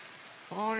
あれ？